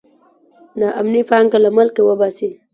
نا امني پانګه له ملکه وباسي.